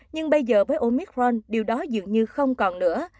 nhưng bây giờ với omicron điều đó dường như không còn nữa